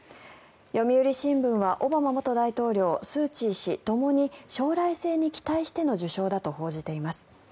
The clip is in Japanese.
読売新聞はオバマ元大統領、スーチー氏ともに将来性に期待しての受賞だと報じています。